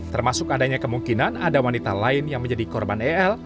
termasuk adanya kemungkinan ada wanita lain yang menjadi korban el